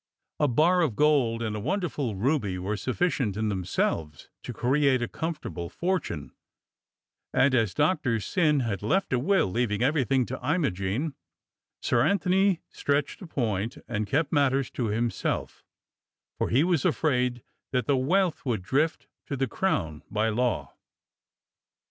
A bar of gold and a wonderful ruby were sufficient in themselves to create a comfortable fortune, 297 298 DOCTOR SYN and as Doctor Syn had left a will leaving everything to Imogene, Sir Antony stretched a point and kept matters to himself, for he was afraid that the wealth would drift to the Crown by law.